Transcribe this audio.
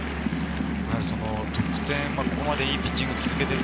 得点、ここまでいいピッチングを続けている。